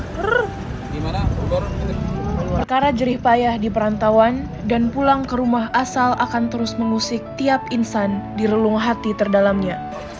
perkara jerih payah di perantauan dan pulang ke rumah asal akan terus mengusik tiap insan di relung hati terdalamnya